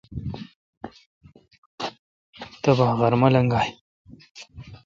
تبا غرمہ لگائہ۔